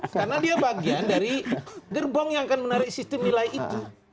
karena dia bagian dari gerbong yang akan menarik sistem nilai itu